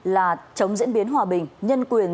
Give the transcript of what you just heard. là chống diễn biến hòa bình nhân quyền